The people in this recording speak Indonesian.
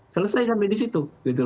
selesai sampai di situ